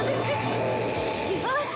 よし！